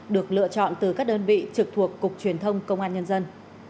được lựa chọn từ các đơn vị trực thuộc cục truyền thông công an nhân dân